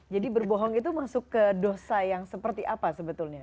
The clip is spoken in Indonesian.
jadi berbohong itu masuk ke dosa yang seperti apa sebetulnya